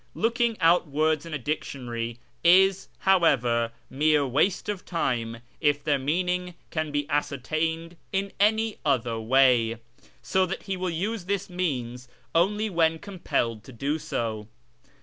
Looking out words in a dictionary is, however, mere waste of time, if their meaning can be ascertained in any other way ; so that he will use this means only when compelled to do so.